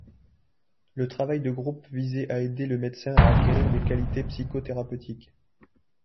Le travail de groupe visait à aider le médecin à acquérir des qualités psychothérapeutiques.